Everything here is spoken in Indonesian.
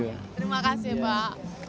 terima kasih pak